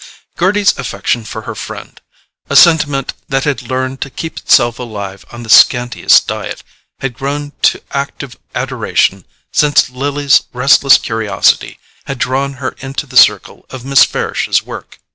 Gerty's affection for her friend—a sentiment that had learned to keep itself alive on the scantiest diet—had grown to active adoration since Lily's restless curiosity had drawn her into the circle of Miss Farish's work.